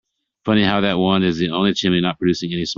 Funny how that one is the only chimney not producing any smoke.